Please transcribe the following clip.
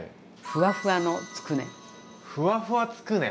ふわふわつくね。